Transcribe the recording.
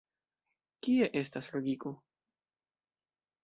Kie estas logiko?